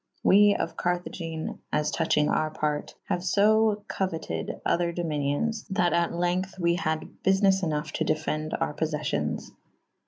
we of Cartagene* (as touching our parte) haue fo coueted other dominio«j that at lengthe we had bufines ynough to defende our poffeffions.